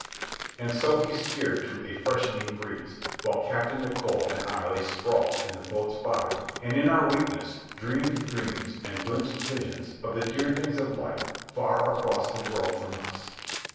And so he steered to a freshening breeze, while Captain Nicholl and I lay sprawled in the boat's bottom and in our weakness dreamed dreams and glimpsed visions of the dear things of life far across the world from us.